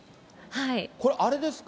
これ、あれですか？